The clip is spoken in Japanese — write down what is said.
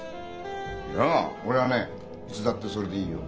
いや俺はねいつだってそれでいいよ。